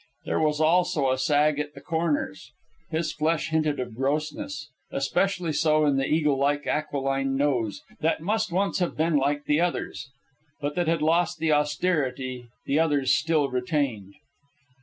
There was also a sag at the corners. His flesh hinted of grossness, especially so in the eagle like aquiline nose that must once have been like the other's, but that had lost the austerity the other's still retained.